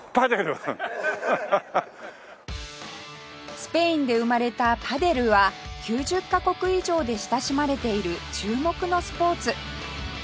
スペインで生まれたパデルは９０カ国以上で親しまれている注目のスポーツ